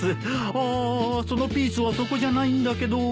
ああそのピースはそこじゃないんだけど。